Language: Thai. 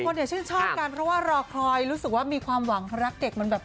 เนี่ยชื่นชอบกันเพราะว่ารอคอยรู้สึกว่ามีความหวังรักเด็กมันแบบ